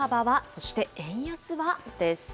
そして円安は？です。